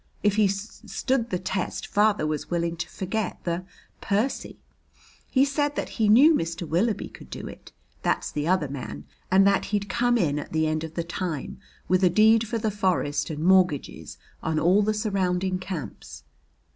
If he s stood the test father was willing to forget the 'Percy.' He said that he knew Mr. Willoughby could do it that's the other man and that he'd come in at the end of the time with a deed for the forest and mortgages on all the surrounding camps."